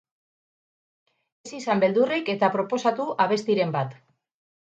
Ez izan beldurrik eta proposatu abestiren bat.